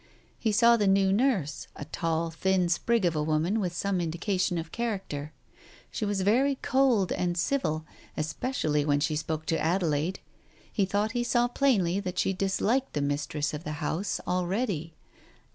He saw the new nurse, a tall, thin sprig of a woman with some indication of character. She was very cold and civil, especially when she spoke to Adelaide. He thought he saw plainly that she disliked the mistress of the house, already.